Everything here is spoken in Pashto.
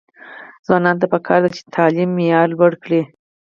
ځوانانو ته پکار ده چې، تعلیم معیار لوړ کړي.